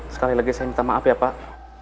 sekali lagi saya minta maaf ya pak